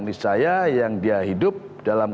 niscaya yang dia hidup dalam